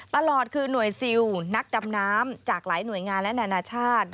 ตลอดคือหน่วยซิลนักดำน้ำจากหลายหน่วยงานและนานาชาติ